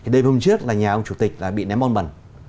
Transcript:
đêm hôm trước là nhà ông chủ tịch bị ném bom bẩn